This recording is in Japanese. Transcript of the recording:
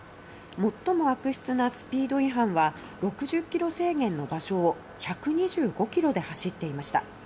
最も悪質なスピード違反は６０キロ制限の場所を１２５キロで走っていました。